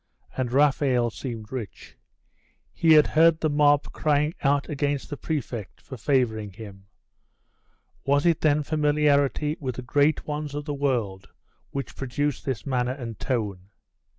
And Raphael seemed rich. He had heard the mob crying out against the prefect for favouring him. Was it then familiarity with the great ones of the world which produced this manner and tone?